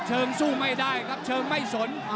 เชิงสู้ไม่ได้ครับเชิงไม่สน